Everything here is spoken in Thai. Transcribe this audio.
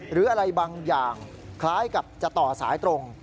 หรืออะไรบางอย่างคล้ายกับจะต่อสายตรง